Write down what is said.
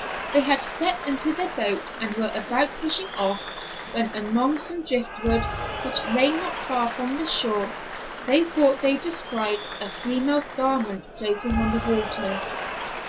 They had stepped into their boat and were about pushing off when among some driftwood which lay not far from the shore, they thought they descried a female's garment floating on the water.